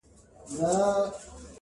نور به د پانوس له رنګینیه ګیله نه کوم-